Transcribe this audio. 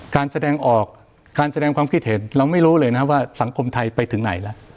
การแสดงออกการแสดงความคิดเห็นเราไม่รู้เลยนะว่าสังคมไทยไปถึงไหนล่ะ